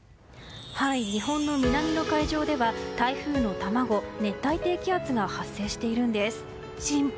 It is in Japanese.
日本の南の海上では台風の卵熱帯低気圧が発生しているんです。